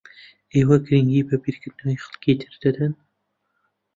ئێوە گرنگی بە بیرکردنەوەی خەڵکی تر دەدەن؟